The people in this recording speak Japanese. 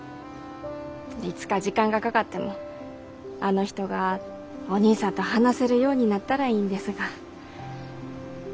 いつか時間がかかってもあの人がお義兄さんと話せるようになったらいいんですが。